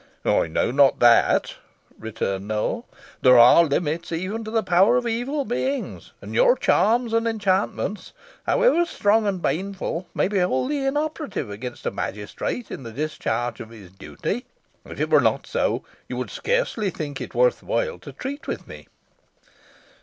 "I know not that," returned Nowell. "There are limits even to the power of evil beings; and your charms and enchantments, however strong and baneful, may be wholly inoperative against a magistrate in the discharge of his duty. If it were not so, you would scarcely think it worth while to treat with me."